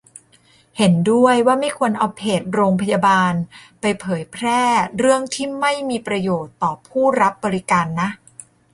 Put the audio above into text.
เห็นด้วยว่าไม่ควรเอาเพจโรงพยาบาล ไปเผยแพร่เรื่องที่ไม่มีประโยชน์ต่อผู้รับบริการนะ